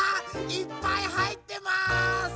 いっぱいはいってます！